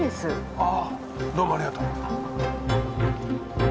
ああどうもありがとう。